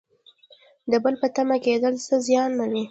د بل په تمه کیدل څه زیان لري؟